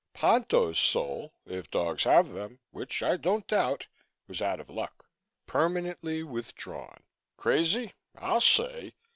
Ponto's soul if dogs have them, which I don't doubt was out of luck. Permanently withdrawn. Crazy? I'll say!